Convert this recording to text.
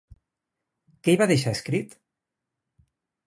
Què hi va deixar escrit?